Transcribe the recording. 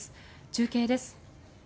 中継です。